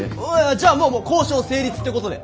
じゃあもう交渉成立ってことで！